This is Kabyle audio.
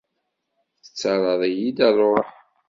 Tettarraḍ-iyi-d ṛṛuḥ.